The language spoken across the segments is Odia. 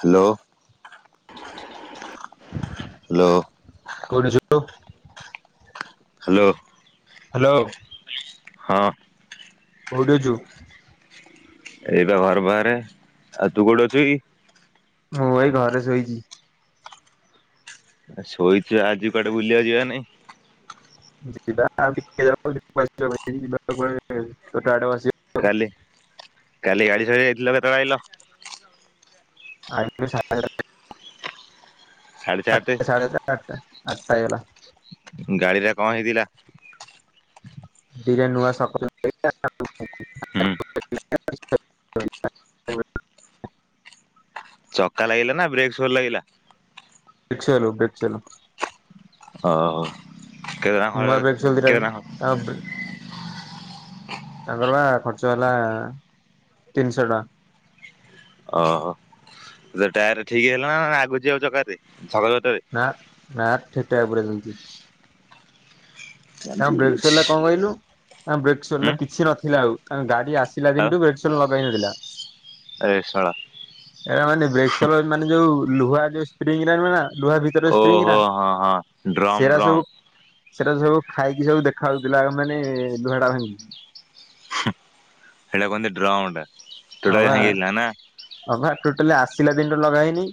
Hello hello. କଉଠିଛୁ। ହ୍ୟାଲୋ। ହ୍ୟାଲୋ। ହଁ। କୋଉଠି ଅଛୁ? ଏଇ ବା ଘର ବାହାରେ ଆଉ ତୁ କୋଉଠି ଅଛୁ କି? ମୁଁ ଭାଇ ଘରେ ଶୋଇଛି। ଆ ଶୋଇଚୁ ଆଜି କୁଆଡେ ବୁଲିବାକୁ ଯିବା ନାଇଁ? ଯିବାିକେ ଯିବା ତୋଟ ଆସିବ [unintelligible] କାଲି କାଲି ଗାଡ଼ି ସାଡ଼ି ଯାଇଥିଲ କେତେବେଳେ ଆଇଲ? [unintelligible] ସାଢେ ସାତେ ଆଠଟା ସା଼ ଚାର ଆଠଟା ଆଠଟା ହେଲା। ଗାଡିରେ କଣ ହେଇଥିଲା? ଧୀରେ ନୂଆ ସପ [unintelligible] [inaudible] ହୁଁ ଚକା ଲାଗିଲା ନା ବ୍ରେକ୍ ସୋର ଲାଗିଲା? ବ୍ରଚଲୁ ବ୍ରେଚଲୁ। ନୂଆ ବ୍ରେକ୍ସୋଲ ଦିଟା [inaudible] ତା ତାଙ୍କର ବା ଖର୍ଚ୍ଚ ହେଲା ତିନିଶହ ଟଙ୍କା। ଓହୋ ସେ ଟାୟାର ଠିକଇ ହେଲା ନା ଆଗୁଛି ଆଉ ଜକରେ [inaudible] ନାଁ ନା [inaudible] ତା ଅଛି ବ୍ରେକ୍ ସରିଲା କଣ କହିଲୁ ବ୍ରେକ୍ ହୁଁ ସରିଲା କିଛି ନଥିଲା ଆଉ ତା ଗାଡି ଆସିଲ ଆସିଲା ଦିନ ଠୁ ବ୍ରେକସୋଲ୍ ଲଗାହେଇନଥିଲା। ରେଶଵଳ। [unintelligible] ଓହୋ ହୋ ହଁ ହଁ ଡ୍ରମ୍ ଡ୍ରମ୍। ସେଇଟା ସବୁ ଖାଇକି ସବୁ ଦେଖା ହାଉଉଥିଲା ମାନେ ଲୁହେଡା ଭାଙ୍ଗି। ସେଟା କୁ କହନ୍ତି ଡ୍ରମ୍ ଟା। ହଁ ପା। ଅନା। ହଁ ବା ଟୋଟାଲି ଆସିଲା ଦିନ ଠୁ ଲଗା ହେଇନି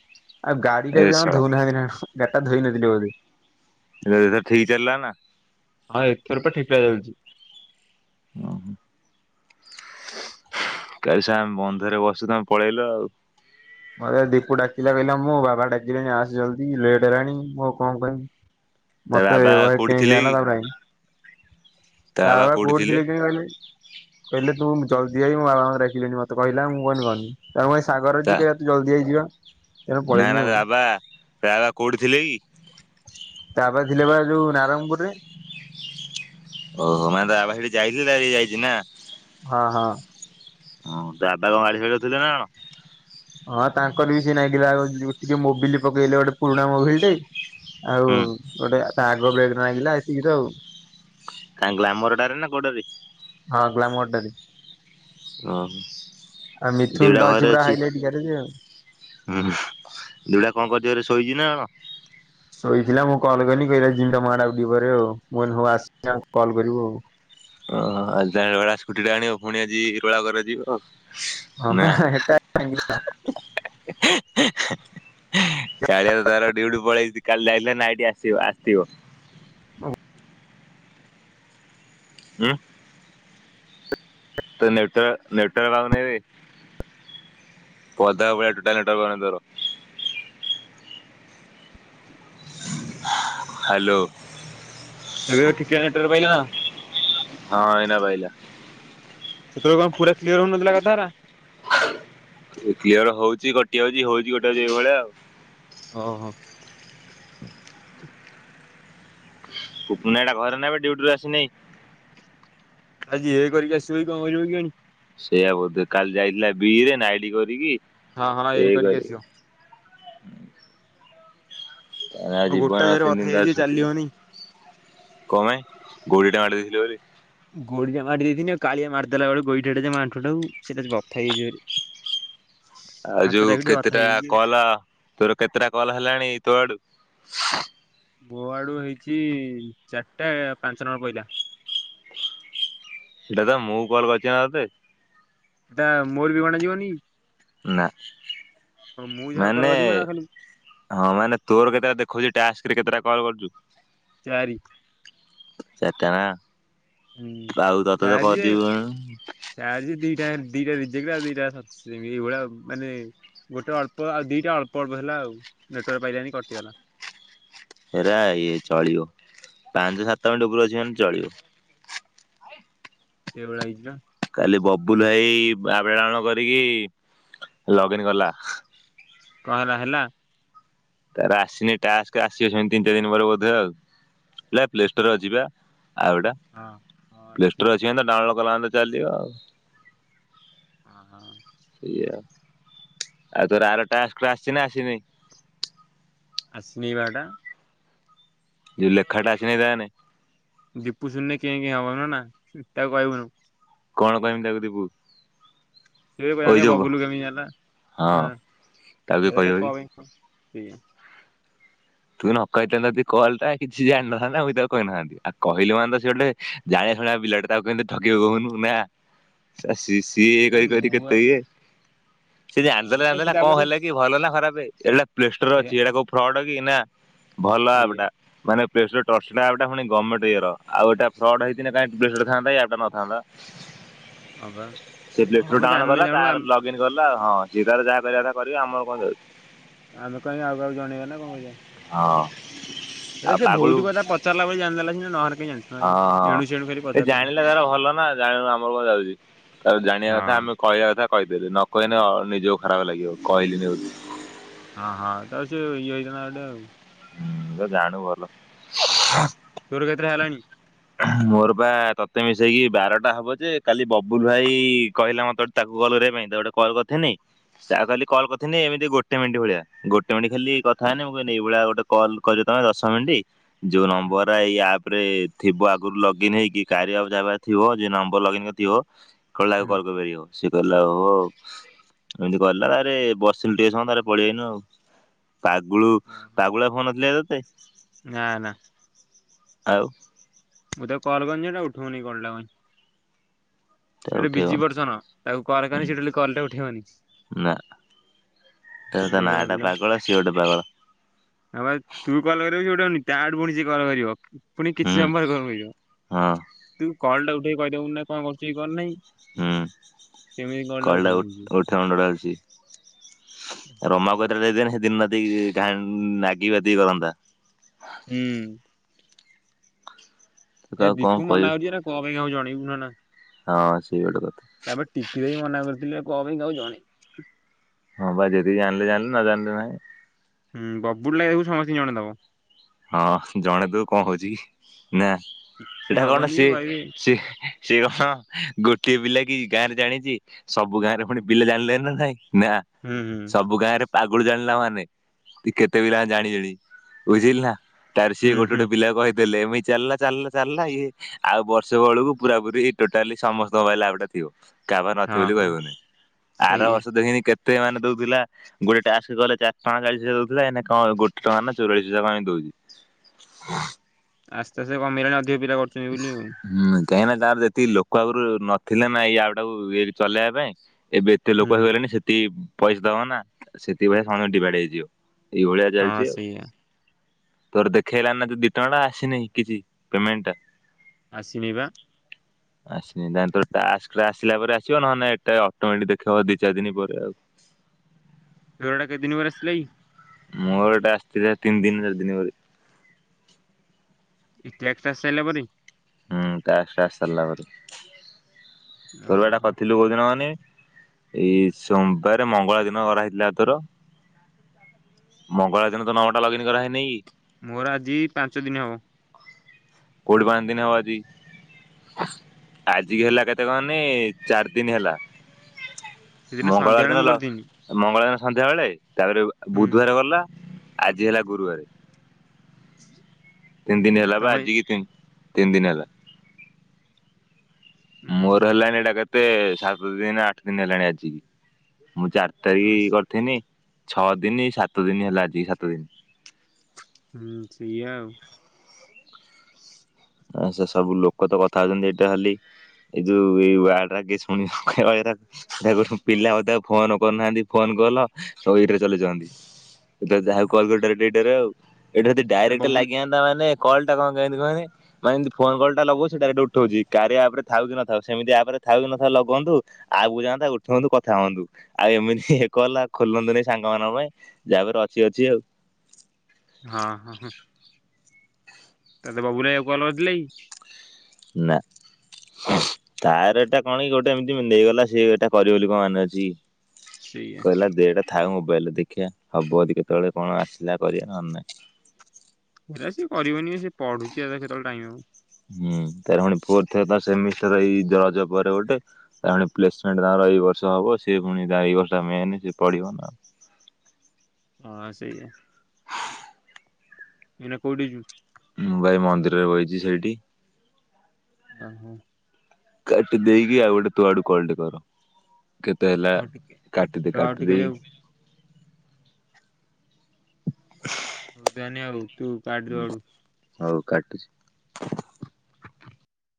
ଆଉ ଗାଡି ଟା ଏ ବି କଣ ଶଳା ଧଉନାହାନ୍ତି ନା କଣ। ଗଟା ଧୋଇଇ ନଥିଲଥିଲେ ବୋଧେ। [unintelligible] ଠିକ ଚାଲିଲା ନା? ହଁ ଏଥର ପ ଠିକ୍ ଠାକ୍ ଚାଲିଛି। ଓଁ ହୋ। କାଲି ଶା ଆମେ ବନ୍ଧରେ ବସୁ ତମେ ପଳେଇଲ ଆଉ। ମତେ ଦୀପ ଡାକିଲା କହିଲ ମୁଁ ବାବା ଡାକିଲେଣି ଆସେ ଜଲ୍ଦି ଲେଟ୍ ହେଲାଣି ମୁଁ ଆଉ କଣ କହିବି? ତା ମତେ ବାବା ବହେ କୋଉଠି କେଁ ଥିଲେ କେଁ କି? ହେଲା ତାପରେ ଆଇଲି। ତା ବାବା କଉଠି ଥିଲେ କି କହିଲେ? କହିଲେ ତୁ ଜଲଦି ଆଇ ମୋ ବାବାଙ୍କ ରହିଲେଣି ମତେ କିହିଲା ମୁଁ ତା [unintelligible] ଜଲ୍ଦି ଆଇ ଯିବା। ତେଣୁ ନା ପଳେଇନି ନା ଆଉ। ରାବା ତା ବାବା କୋଉଠି ଥିଲେ କି? ତା ବାବା ଥିଲେ ବା ଯୋଉ ନାରଣପୁର ରେ। ଓହୋ ମାନେ ତା ବାବା ସେଠି ଯାଇକି [unintelligible] ଯାଇଛି ନା। ହଁ ହଁ। [unintelligible] ଥିଲେ ନା କଣ? ହଁ ତାଙ୍କର ବି ସେଇ ନାଗିଲା ଟିକେ ମୋବିଲି ପକେଇଲେ ଗୋଟେ ପୁରୁଣା ମୋବିଲ ଟେଇ। ଆଉ ହୁଁ ଗୋଟେ ତା ଆଗ ବ୍ଲେଡ୍ ଭାଙ୍ଗିଲା ଏତିକି ତ ଆଉ। କାଇଁ ଗ୍ଲାମରଟାରେ ନା ଗୋଡରେ? ହଁ ଗ୍ଲାମର ଟାରେ। ଓ ହଁ। ଆଉ ମିଥୁନ ତ ଅଛି ପୁରା ହାଇଲାଇଟ୍ [unintelligible] ହୁଁ ଦୁଡଆ କଣ କରଛ ଘରେ ଶୋଇଛି ନା କଣ? ଶୋଇଥିଲା ମୁଁ କଲ୍ କଲି କହିଲା ଜିମି ତମ ଆଡ଼େ ଆଉ ଟିକେ ପରେ ଆଉ ମୁ କହିଲି ହଉ ଆସ ଆ କଲ୍ କରିବୁ ଆଉ। [unintelligible] ହଁ ନା। ବା ହେଟା [unintelligible] [inaudible] କାଳିଆ ତ ତାର ଡିଉଟି ପଳେଇଛି କାଲି ଯାଇଥିଲେ ନାଇଟି ଆସିବ ଆସିଥିବ। ହୁଁ। ତୋ ନେଟୱର୍କ ନେଟୱର୍କ ପାଉନେଇ ବେ। ପଦା କୁ ପଳେଆ ଟୋଟାଲ ନେଟୱର୍କ ପାଉନି ତୋର। ହ୍ୟାଲୋ। ଏବେ ଠିକେ ନେଟୱର୍କ ପାଇଲା। ହଁ ଏଇନା ପା। ସେତବେଳୁ କଣ ପୁରା କ୍ଲିୟର ହଉନଥିଲା କଥା ରା? କ୍ଲିୟର ହଉଛି କଟିଆଉଛି ହଉଛି କଟିଆଉଛି ଏଇଭଳିଆ ଆଉ। ଓ ହୋ। ସୂପୁନି ଭାଇ ଟା ଘରେ ନା ବେ ଦିଉଟିରୁ ଆସିନେଇଁ। ଆଜି ଏ କରିକି ଆସିବ କି କଣ କରିବ କେଜାଣି? ସେଇଆ ବୋଧେ କାଲି ଯାଇଥିଲା ବିରେ ନାଇଡି କରିକି ହଁ ହଁ ଏ କରିକି ଆସିବ। ଆଉ ଗୋଟା ଜୀବନର ଜୋରେ ତିନି କଥା ଦିନ ତାର ହେଇଯାଇଛି ଛୁଟି ଚାଲି ହଉନି। [unintelligible] ଗୋଡ଼ି ଟା ମାଡ଼ି ଦେଇଥିଲି ଆଉ କାଳିଆ ମାରିଦେଲା ବେଳେ ଗୋଇଠାଟେ ମୋ ଆଣ୍ଠୁ ତାକୁ ସେଇଟା ବଥା ହେଇଯାଇଛି ଯୋରେ। ଆଉ ଯୋଉ କେତେଟା ହେଇଯାଇଛି ଆଉ। କଲ ତୋର କେତେଟା କଲ ହେଲାଣି ତୋ ଆଡୁ? ବୋ ଆଡୁ ହେଇଛି ଚାରଟା ପାଞ୍ଚ ନମ୍ବର ପଇଲା। ସେଟା ତ ମୁଁ କଲ କରିଛି ନା ତତେ। ଏଟା ମୋର ବି ଗଣା ଯିବନି। ନା କି ମୁଁ ଯାହା କର ମାନେ ଅଧିକ ନା ଖାଲି ହଁ ମାନେ ତୋର କେତେଟା ଦେଖଉଛି ଟାସ୍କରେ କେତେଟା କଲ କରିଛୁ? ଚାରି। ଚାରିଟା ନା ହୁଁ। ଆଉ ତତେ ତ କରିଦେବି ମୁଁ ଚାରିଯେ ଦିଟା ରିଜେକ୍ଟ ଆଉ ଦିଟା [unintelligible] ଏଇଭଳିଆ ମାନେ ଗୋଟେ ଅଳ୍ପ ଆଉ ଦିଟା ଅଳ୍ପ ଅଳ୍ ହେଲା ଆଉ ନେଟୱାର୍କ୍ ପାଇଲଣି କଟିଗଲା। ହେରା ଇଏ ଚଳିବ ପାଞ୍ଚ ସାତ ମିଣ୍ଟ ଉପରୁକୁ ଅଛି ମାନେ ଚଳିବ। ସେ ଭଳିଆ ହେଇଛି ନା। କାଲି ବବୁଲ ଭାଇ [unintelligible] କରିକି ଲଗ ଇନ କଲା। କଣ ହେଲା ହେଲା? ତାର ଆସିନି ଟାସ୍କ ଆସିବ ସେମତି ତିନ ଚାରି ଦିନ ପରେ ବୋଧେ ଆଉ। ପ୍ଲେ ପ୍ଲେ ଷ୍ଟୋରରେ ଅଛି ବା ଆଉ ଗୋ। ହଁ ହଁ ପ୍ଲେ ଷ୍ଟୋରରେ ଅଛି ମାନେ ଡାଉନଲୋଡ କଲା ମାନେ ଚାଲିବ ଆଉ। ଅ ହଁ। ସେଇଆ ଆଉ ଆଉ ତୋର ଆର ଟାସ୍କରୁ ଆସିଛି ନା ଆସିିନି? ଆସିନି ବା ଏଇଟା। ଯୋଉ ଲେଖାଟା ଆସିନେଇ ତାମାନେ! ଦୀପୁ ଶୁଣିଲେ କେଁ କେଁ ହବ ନନା ହୁଁ ତାକୁ କହିବୁନୁ। କଣ କହବିନି ତାକୁ ଦିିପୁକୁ? ସିଏ କୁଆଡେ ଜାଣିବ ବବୁଲୁ କେମେତି ହଁ ଜାଣିଲା ହୁଁ ତାକୁ ଟିକେ ସିଏ ତ କହିବ କଣ ପାଇଁ କି ସିଏ ତୁ ନ କହିଥାନ୍ତୁ ଯଦି କଲଟା କିଛି ଜାଣିିନଥାଆନ୍ତା ମୁଁ ବି ତାକୁ କହିନଥାଆନ୍ତି ଆଉ କହିଲୁ ମାନେ ତ ସିଏ ଗୋଟେ ଜାଣିବା ଶୁଣିବା ପିଲାଟା ତାକୁ କେମତି ଠକିବି କହୁନୁ ନା ଶଳା ସିସ ସିଏ ଇଏ ଏ କରି କରିି ମୁଁ ବା କେତେ ଇଏ। ସେ ହଁ ଜାଣିଦେଲା ଗୋଟେ ଜାଣିଦେଲା କଣ ତାପରେ ହେଲା କି ଭଲ ନା ଖରାପେ ଏଇଟା ପ୍ଲେ ଷ୍ଟୋର ସେଇଆ ଅଛି ଇଟା କୋଉ ଫ୍ରଡ କି ନା। ଭଲ ସେଇଆ ଆପଟା। ମାନେ ପ୍ଲେ ଷ୍ଟୋର ଟ୍ରଷ୍ଟଟେଡ୍ ଆପଟା ଫୁଣି ଗମେଣ୍ଟ ଇଏ ର ଆଉ ଏଟା ଫ୍ରଡ ହେଇଥିନେ କାଇଁ ପ୍ଲେ ଷ୍ଟୋରରେ ଥାଆନ୍ତା ଏଇ ଆପ ଟା ନଥାନ୍ତା। ହଁ ବା ସେ ପ୍ଲେ ହଁ ଷ୍ଟୋରରୁ ମୁଁ ଡାଉନଲୋଡ ଜାଣିନି କଲା ଜାଣୁ ଆମ ତାର ଲକ୍ ଇନ୍ କଲା ଆଉ ହଁ ସିଏ ତାର ଯାହା କରିଆ କଥା କରିବେ ଆମର କଣ ଯାଉଛି। ଆମେ କାଇଁ ଆଉ କାହାକୁ ଜଣେଇବା ନା କରିବା। ହଁ। ଏଟା ଆଉ ସେ ପାଗୁଳୁ ଭଉତୁ କଥା ପଚାରିଲା ବୋଲି ଜାଣିଦେଲା ସିନା ନହେଲେ କାଇଁ ଜାଣିଥାନ୍ତା ହଁ କି ଏଣୁ ସେଣୁ ଖାଲି ସିଏ ପଚାରୁଥାନ୍ତି। ଜାଣିଲେ ତାର ଭଲ ନା ଆଉ। ଜାଣୁ ଆମର କଣଯାଉଛି ଆଉ ଜାଣିବା କଥା ହଁ ଆମେ କହିବା କଥା କହିଦେଲି ନ କହିନେ ହଁ ନିଜକୁ ଖରାପ ଲାଗିବ କହିଲିିନି ବୋଲି। ହଁ ହଁ ତ ସିଏ ଇଏ ହେଇଥିନା ଗୋଟେ ଆଉ। ହୁଁ ତ ଜାଣୁ ଭଲ। ତୋର କେତେଟା ହେଲାଣି? ହ ମୋର ବା ତତେ ମିଶେଇକି ବାରଟା ହବ ଯେ କାଲି ବବୁଲୁ ଭାଇ କହିଲା ମତେ ତାକୁ କଲ କରିବା ପାଇଁ ତାକୁ ଗୋଟେ କଲ କରିଥିନି ସେଆକୁ ହୁଁ କାଲି କଲ କରିଥିନି ଏମିତି ଗୋଟେ ମିଣ୍ଟ ଭଳିଆ ଗୋଟେ ମିଣ୍ଟ ଖାଲି କଥା ହେନି ମୁଁ କହିନି ଏଇ ଭଳିଆ ଗୋଟେ କଲ୍ କରିବ ତମେ ଦଶ ମିନିଟ୍ ଯୋଉ ହୁଁ ନମ୍ବର ଏଇ ଆପ୍ ତାପରେ ଥିବ ଆଗରୁ ଲଗଇନ ହେଇକି କାର୍ୟା ଆଉ ଯାହା ପାଖରେ ଥିବ ଯିଏ ନମ୍ବର ଲଗଇନ୍ କରିଥିବ କଲା ଆଉ ହୁଁ କଲ କରିପାରିବ ସିଏ କହିଲା ଓ ଏମିତି କଇଲା ତାପରେ ବସିଲୁ ଟିକେ ସମୟ ତାରେ ପଳେଇଆଇନୁ ଆଉ। ପାଗୁଳୁ ପାଗୁଳା ଫୋନ କରିଥିଲା ତତେ? ନାଁ ନା। ଆଉ ମୁଁ ତାକୁ କଲ କରିଥିନି ସିଏ ଉଠଉନି କଲଟା କାଇଁ? ତାକୁ ସିଏ ଟେ ବିଜି ଉଠେଇବନି ପର୍ସନ ତାକୁ କଲ୍ ହୁଁ କଲେ ସିଏ ଟୋଟାଲି କଲଟା ଉଠେଇବନି। ତ ହେ ଗୋଟେ ତା ନା ଏଇଭଳିଆ ଟା ପିଲା। ପାଗଳ ସିଏ ଗୋଟେ ପାଗଳ। ହଁ ଭାଇ ତୁ କଲ କରିବୁ ସିଏ ଉଠଉନି ତା ଆଡୁ ପୁଣି ସିଏ କଲ କରିବ। ପୁଣି କିଛି ହୁଁ ସମୟ ପରେ କଲ୍ କରିବ, ହଁ ତୁ କଲଟା ଉଠେଇକି କହିଦେବୁନି ନାଁ କଣ କରୁଚୁ କି କଣ ନାହିଁ। ହୁଁ କେମିତି କଲ୍ ଟା ଉଠେଇ [unintelligible] [unintelligible] ରମାବତ ତାକୁ ଦେଇଦେନେ ସେ ଦିନ ରାତି ଗାନ୍ ନାଗିପାତିକି କରନ୍ତା। ହୁଁ। ତୁ ଏ କାହାକୁ କଣ ଦୀପୁ କହିବୁ ମନା କରିଛି। ଏରା କଣ ପାଇଁ କାହାକୁ ଜଣେଇବୁ ନା। ହଁ ସେଇ ଗୋଟେ କଥା। ଏବେ ଟିକି ଦେଇ ମନା କରିଥିଲେ। କଣ ପାଇଁ କାହାକୁ ଜଣେ ହଁ ବା ଯଦି ଜାଣିଲେ ଜାଣିଲେ ନ ଜାଣିଲେ ନାହିଁ। ହୁଁ ବବୁଲୁ ନା ବି ମୁଁ ଶୁଣୁଛି ଜଣେଇ ଦବ। ହଁ ଜଣେଇ ଦଉ କଣ ହଉଛି କି? ନା ସିଏ ଏଟା କଣ ହବନି ଯେ ସିଏ କହିବେ ସେଏ ସିଏ କଣ ଗୋଟିଏ ପିଲା କି ଗାଁ ରେ ଜାଣିଛି। ସବୁ ଗାଁ ରେ ପୁଣି ପିଲା ଜାଣିଲେ ନା ନାଇଁ ନା। ହୁଁ ହୁଁ ସବୁ ଗାଁ ରେ ପାଗୁଳି ଜାଣିଲା ମାନେ କେତେ ବିିଲା ଜାଣି ଜାଣି ବୁଝିଲି ନା। ତାର ସିଏ ହୁଁ ଗୋଟେ ହୁଁ ଗୋଟ ପିଲା କହିଦେଲେ ଏମିତି ଚାଲିଲା। ଚାଲିଲା ଚାଲିଲା ଇଏ ଆଉ ବର୍ଷ ବେଳକୁ ପୁରା ପୁରି ଟୋଟାଲି ସମସ୍ତଙ୍କ ପାଇଁ ଲାଭଟା ଥିବ କାବାର ହଁ ନଥିବ ବୋଲି ହଁ କହିବୁନି। ଆର ସେଇଆ। ବର୍ଷ ଦେଖିନି କେତେ ମାନେ ଦଉଥିଲା। ଗୋଟେ ଟ୍ୟାକ୍ସ ଗଲେ ଚାର ଟଙ୍କା ଚାଳିଶ ପଇସା ଦଉଥିଲା। ଏଇନା କଣ ଗୋଟେ ଟଙ୍କା ନା ଚଉରାଳିଶ ପଇସା ଏମିତି ଦଉଛି। ହ। ଆସ୍ତେ ଆସ୍ତେ କମେଇଲାଣି ଅଧିକ ପିଲା କରୁଛନ୍ତି ବୁଲି। ହୁଁ କାହିଁକି ନା ତାର ଯେତିକି ଲୋକ ଆଗରୁ ନଥିଲେ ନା ଏଇ ଆପଟାକୁ ଇ ଚଲେଇବା ପାଇଁ। ଏବେ ଏତେ ଲୋକ ହୁଁ ହେଇଗଲେଣି ସେତିି ପଇସା ଦବ ନା। ସେତିି ଭଳିଆ ସମଙ୍କୁ ଡିିବାଇଡି ହେଇଯିବ। ଏଇ ଭଳିଆ ହଁ ଚାଲିଛି ଆଉ। ସେଇଆ ତୋର ଦେଖେଇଲାନା ଯୋଉ ଦି ଟଙ୍କା ଆସିନି କିଛି ପେମେଣ୍ଟା। ଆସିନି ବା। [inaudible] ଆସିନି ତାହାନେ ତୋ ଟାକ୍ସ ରା ଆସିଲା ପରେ ଆସିବ। ନହଁ ନେ ଏଇଟା ଅଟୋମେଟିକ ଦେଖେଇବ ଦି ଚାରି ଦିନ ପରେ ଆଉ। ତୋର ଏଟା କେତେ ଦିନି ପରେ ଆସିଲା କି। ମୋର ଏଟା ଆସିଥିଲା ତିନି ଦିନ ଚାରି ଦିନ ପରେ। ଏଇ ଟ୍ୟାକ୍ସ ଆସ ସାଇଲେ ପରେ। ହୁଁ ଟ୍ୟାସ୍ ଟାସ୍ ସରିଲା ପରେ। ତୋର ଏଟା ଓହୋ କରିଥିଲୁ କୋଉ ଦିନ କାହନି। ଏଇ ସୋମବାର ମଙ୍ଗଳା ଦିନ କରା ହେଇଥିଲା ତୋର। ମଙ୍ଗଳଳା ଦିନ ତ ନମ୍ବର ଟା ଲଗଇନ କରା ହେଇନି କି। ମୋର ଆଜି ପାଞ୍ଚ ଦିନ ହବ। କଉଠି ପାଞ୍ଚ ଦିନ ହବ ଆଜି। ଆଜିିକି ହେଲା କେତେ କଣନି ଚାରି ଦିନ ହେଲା। ସେଦିନ ମଙ୍ଗଳ ବାର ସନ୍ଧ୍ୟାବେଳେ ମୁଁ ଦିନଲ କରିଥିଲି ମଙ୍ଗଳବାର ସନ୍ଧ୍ୟା ବେଳେ ତାପରେ ହୁଁ ବୁଧବାର ଗଲା। ଆଜି ହେଲା ଗୁରୁବାରେ। ତିନି ଦିନ ହେଲା ବା ତମେ ଆଜିିକି ତି ତିନି ଦିନ ହେଲା। ହୁଁ ମୋର ହେଲାଣି ଏଟା କେତେ ସାତ ଦିନ ଆଠ ଦିନ ହେଲାଣି ଆଜିକି। ମୁଁ ଚାରି ତାରିଖ କରିଥିନି। ଛଅ ଦିନ ସାତ ଦିନ ହେଲା ଆଜିକି ସାତ ଦିନି। ହୁଁ ସେଇଆ ଆଉ। ଆ ସେ ସବୁ ଲୋକ ତ କଥା ହଉଛନ୍ତି। ଏଇଟା ଖାଲି ଏଇ ଯୋଉ ଏଇ ୱାର୍ଡ ରାଗେ ଶୁଣିବ ଏରାକୁ। ତାକୁ ପିଲା ହ ତା ଫୋନ କରୁନାହାନ୍ତି। ଫୋନ କଲ ସବୁ ଏଇଥିରେ ଚଲେଇଛନ୍ତି। ଯାହା ହୁଁ କଲଟ ଆଉ ଏଇଟା ଯଦି ଡାଇରେକକ୍ଟ ଏଇଟାରେ ଆଉ। ଏଇଟାରେ ଯଦି ଡାଇରେକ୍ଟ ବବୁଲ ଲାଗିଯାନ୍ତା ମାନେ କଲ୍ ଟା କଣ କହନ୍ତି କହନି। ମାନେ ମିତି ଫୋନ କଲଟା ଲଗବ ସେ ଡାଇରେକ୍ଟ ଉଠାଉଛି। କାରିଆ ଆପ ଥାଉ କି ନଥାଉ ସେମିତି ଆପ ଥା କି ନଥାଉ ଲଗନ୍ତୁ। ଆଗକୁ ଯାଆନ୍ତା ଉଠନ୍ତୁ କଥା ହୁଅନ୍ତୁ। ଆଉ ଏମିତି ଇ କଲା ଖୋଲନ୍ତୁ ନାଇ ସାଙ୍ଗ ମାନଙ୍କ ପାଇଁ। ଯାହାକରେ ଅଛି ଅଛି ଆଉ। ହଁ ହଁ ହ ତତେ ବବୁଲୁ ଭାଇ ଆଉ କଲ କରିଥିଲେ କି? ନା। ତାର ଏଟା କଣ କି ଗୋଟେ ଏମିତି ନେଇଗଲା। ସିଏ ଏଇଟା କରିବ ବୋଲି କଣ ମାନେ ଅଛି ସେଇଆ କି। କହିଲା ଦିଟା ଥାଉ ମୋବାଇଲରେ ଦେଖିବା। ହବ ଯଦି କେତେବେଳେ କଣ ଆସିଲା କରିବା ନହଲେ ନାଇଁ। ହେରା ସିଏ କରିବନି ସେ ପଢୁଛି। କେତେବେଳେ ଟାଇମ୍ ହବ। ହୁଁ ତାର ପୁଣି ପୁଅ ଥ ତ ସେ ମିଶର ଏଇଜ ପରେ ଗୋଟେ। ତା ପୁଣି ପ୍ଲେସମେଣ୍ଟ ତାଙ୍କର ଏଇ ବର୍ଷ ହବ ସେ ପୁଣି ଏଇ ବର୍ଷଟା ମିେନି ସେ ପଢିବନା ଆଉ। ହଁ ସେୟା। ଏଇନା କଉଠି ଯୁ ମୁଁ ଭାଇ ମନ୍ଦିରରେ ବହିଚି ସେଇଠି। ଓ ହୋ। କାଟି ଦେଇକି ଆଉ ଗୋଟେ ତ ଆଡୁ କଲଟେ କର। କେତେ ହେଲା ଆଉ ଟିକେ କାଟଦେ ର ଆଉ କାଟି ଟିକେ ଦେଇ ଯାଉ ହଉ ତାହେଲେ ହଉ ତୁ କାଟ ତୋ ହୁଁ ଆଡୁ। ହଉ କାଟୁଛି।